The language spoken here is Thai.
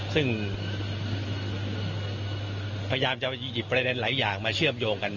ซึ่งพยายามจะไปหยิบประเด็นหลายอย่างมาเชื่อมโยงกัน